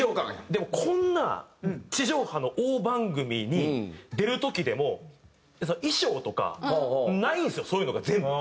でもこんな地上波の大番組に出る時でも衣装とかないんすよそういうのが全部。